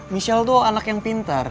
michelle itu anak yang pintar